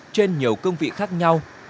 trên nhiều công vị khác nhau